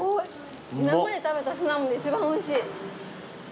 今まで食べたシナモンで一番おいしい。